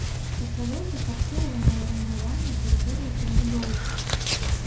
Пачалося фарсіраванае руйнаванне тэрыторыі пад будоўлю.